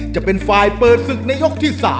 จะเป็นฝ่ายเปิดศึกในยกที่๓